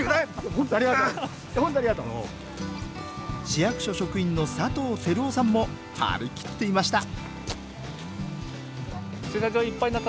市役所職員の佐藤輝男さんもはりきっていました